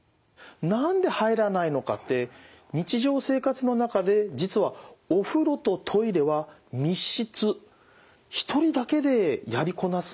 何で入らないのかって日常生活の中で実はお風呂とトイレは密室１人だけでやりこなす